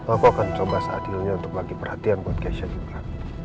aku akan coba seadilnya untuk bagi perhatian buat keisha gibran